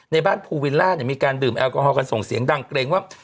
ในบ้านภูวิลล่ามีการดื่มแอลกอฮอลกันส่งเสียงดังเกรงว่า